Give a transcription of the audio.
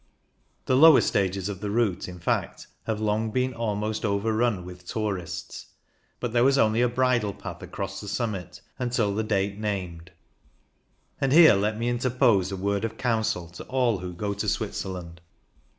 The lower stages of the route, in fact, have long been almost overrun with tourists, but there was only a bridle path across the summit until the date named. 126 THE GRIMSEL 127 And here let me interpose a word of counsel to all who go to Switzerland.